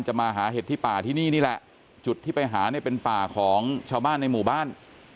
มาหาเห็ดที่ป่าที่นี่นี่แหละจุดที่ไปหาเนี่ยเป็นป่าของชาวบ้านในหมู่บ้าน